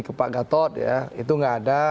ke pak gatot itu tidak ada